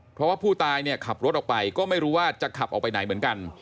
เพราะว่าผู้ตายเนี่ยขับรถออกไปก็ไม่รู้ว่าจะขับออกไปไหนเหมือนกัน